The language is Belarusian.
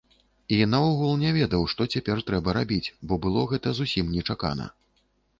І наогул не ведаў, што цяпер трэба рабіць, бо было гэта зусім нечакана.